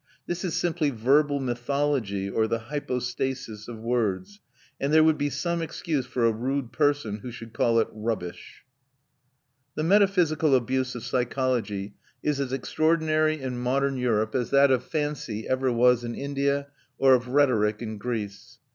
This is simply verbal mythology or the hypostasis of words, and there would be some excuse for a rude person who should call it rubbish. The metaphysical abuse of psychology is as extraordinary in modern Europe as that of fancy ever was in India or of rhetoric in Greece.